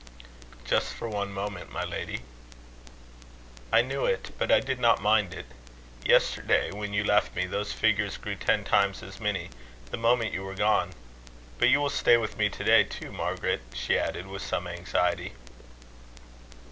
"Just for one moment, my lady." "I knew it. But I did not mind it. Yesterday, when you left me, those figures grew ten times as many, the moment you were gone. But you will stay with me to day, too, Margaret?" she added, with some anxiety.